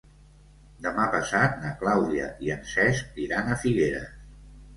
Demà passat na Clàudia i en Cesc iran a Figueres.